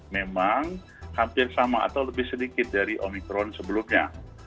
memang hampir sama atau lebih sedikit dari omikron sebelumnya